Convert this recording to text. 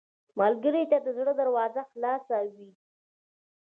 ملګری ته د زړه دروازه خلاصه وي